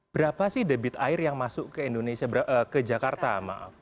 berapa sih debit air yang masuk ke jakarta maaf